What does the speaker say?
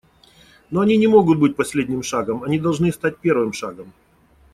Но они не могут быть последним шагом − они должны стать первым шагом.